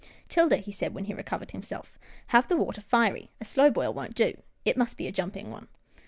" 'Tilda," he said, when he recovered himself, " have the water fiery — a slow boil won't do. It must be a jumping one."